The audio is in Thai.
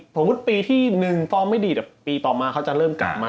สมมุติปีที่๑ฟอร์มไม่ดีดปีต่อมาเขาจะเริ่มกลับมา